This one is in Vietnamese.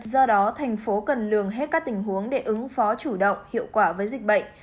do đó thành phố cần lường hết các tình huống để ứng phó chủ động hiệu quả với dịch bệnh